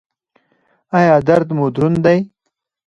ایا درد مو دروند دی؟